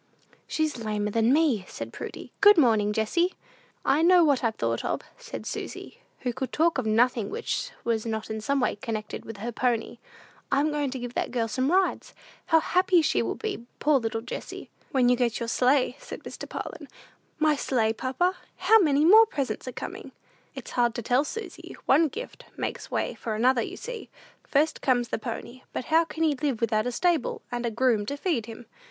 "She's lamer than me," said Prudy. "Good morning, Jessie." "I know what I've thought of," said Susy, who could talk of nothing which was not in some way connected with her pony. "I'm going to give that girl some rides. How happy she will be, poor little Jessie!" "When you get your sleigh," said Mr. Parlin. "My sleigh, papa? How many more presents are coming?" "It is hard to tell, Susy; one gift makes way for another, you see. First comes the pony; but how can he live without a stable, and a groom to feed him?